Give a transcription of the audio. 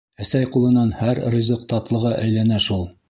Әсәй ҡулынан һәр ризыҡ татлыға әйләнә шул.